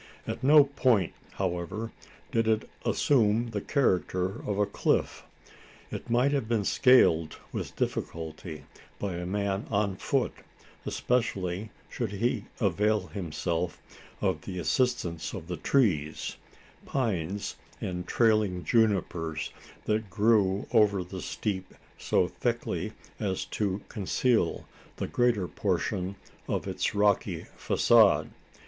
At no point, however, did it assume the character of a cliff. It might have been scaled with difficulty by a man on foot, especially should he avail himself of the assistance of the trees pines and trailing junipers that grew over the steep so thickly as to conceal the greater portion of its rocky facade.